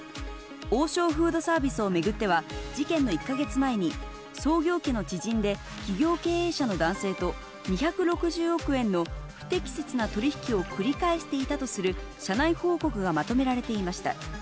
王将フードサービスを巡っては、事件の１か月前に、創業家の知人で、企業経営者の男性と、２６０億円の不適切な取り引きを繰り返していたとする社内報告がまとめられていました。